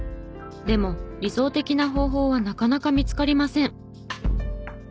でも理想的な方法はなかなか見つかりません。